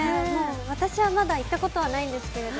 私はまだ行ったことはないんですけど